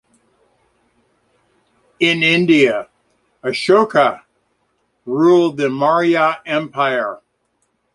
In India, Ashoka ruled the Maurya Empire.